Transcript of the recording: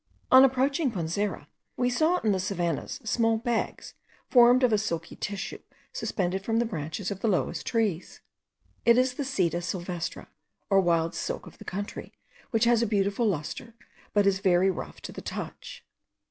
On approaching Punzera, we saw in the savannahs small bags, formed of a silky tissue suspended from the branches of the lowest trees. It is the seda silvestre, or wild silk of the country, which has a beautiful lustre, but is very rough to the touch.